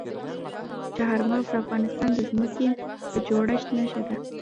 چار مغز د افغانستان د ځمکې د جوړښت نښه ده.